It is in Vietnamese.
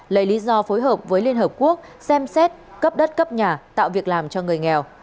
lấy lý do phối hợp với liên hợp quốc xem xét cấp đất cấp nhà tạo việc làm cho người nghèo